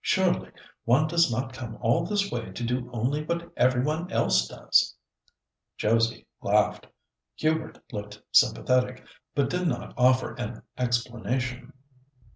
Surely one does not come all this way to do only what everyone else does!" Josie laughed. Hubert looked sympathetic, but did not offer an explanation.